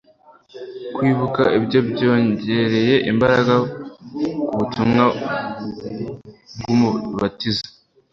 Kwibuka ibyo, byongereye imbaraga ku butumwa bw’Umubatiza